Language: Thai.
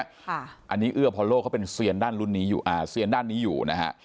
อันนี้อื้ออพอลโลเขาเป็นเสี้ยนด้านลุนนี้อยู่